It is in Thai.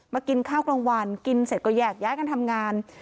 กินข้าวกลางวันกินเสร็จก็แยกย้ายกันทำงาน